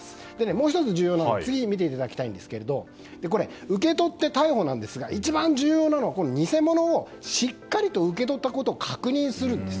もう１つ重要なのは受け取って逮捕なんですが一番重要なのは偽物をしっかりと受け取ったことを確認するんです。